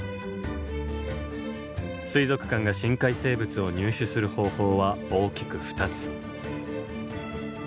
水族館が深海生物を入手する方法は大きく２つ。